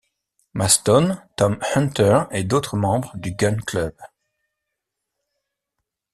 Maston, Tom Hunter et d'autres membres du Gun Club.